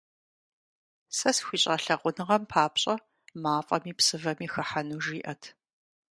Сэ схуищӏа лъагъуныгъэм папщӏэ мафӏэми псывэми хыхьэну жиӏат…